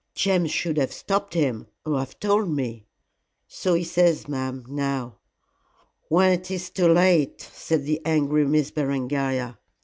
"James should have stopped him, or have told me." "So he says, ma'am, now." "When it is too late," said the angry Miss Berengaria.